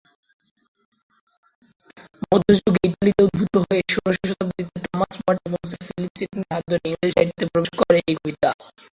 মধ্যযুগে ইতালিতে উদ্ভূত হয়ে ষোড়শ শতাব্দীতে টমাস ওয়াট ও স্যার ফিলিপ সিডনির হাত ধরে ইংরেজি সাহিত্যে প্রবেশ করে এই কবিতা।